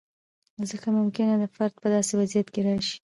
ځکه ممکنه ده فرد په داسې وضعیت کې راشي.